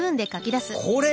これ！